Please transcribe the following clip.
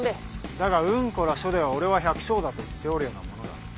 だが「うんこらしょ」では俺は百姓だと言っておるようなものだ。